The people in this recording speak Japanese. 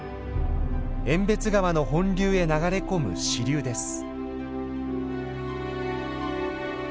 遠別川の本流へ流れ込む支流です。